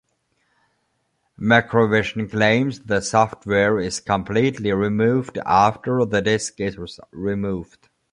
Macrovision claims the software is completely removed after the disc is removed.